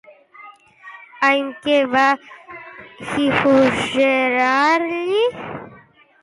I què va xiuxiuejar-li?